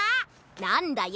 なんだよ！